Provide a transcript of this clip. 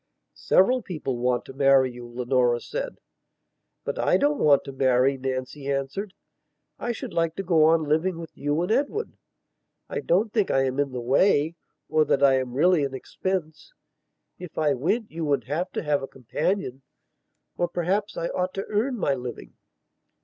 "Several people want to marry you," Leonora said. "But I don't want to marry," Nancy answered. "I should like to go on living with you and Edward. I don't think I am in the way or that I am really an expense. If I went you would have to have a companion. Or, perhaps, I ought to earn my living...."